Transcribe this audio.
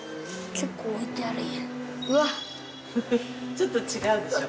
ちょっと違うでしょ？